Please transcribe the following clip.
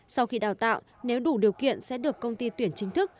sau khi đào tạo nếu đủ điều kiện sẽ được công ty tuyển chính thức